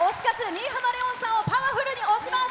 新浜レオンさんをパワフルに推します。